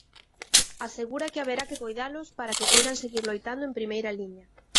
Asegura que haberá que coidalos para que poidan seguir loitando en primeira liña.